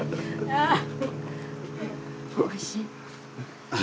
おいしい？